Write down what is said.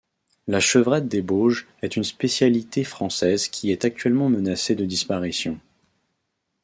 La Chevrette des Bauges est une spécialité française qui est actuellement menacée de disparition.